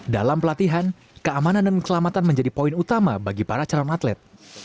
dalam pelatihan keamanan dan keselamatan menjadi poin utama bagi para calon atlet